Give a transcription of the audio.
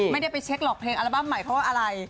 ไม่ได้ไปเช็คหรอกเพลงอัลบั้มใหม่เพราะว่าอะไร